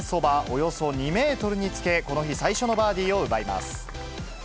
およそ２メートルにつけ、この日、最初のバーディーを奪います。